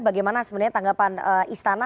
bagaimana sebenarnya tanggapan istana